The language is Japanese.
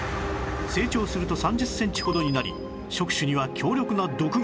成長すると３０センチほどになり触手には強力な毒が